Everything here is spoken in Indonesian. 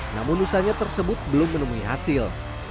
namun usahanya tersebut belum menemui hasil